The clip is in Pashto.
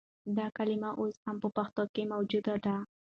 دا کلمه اوس هم په پښتو کښې موجوده ده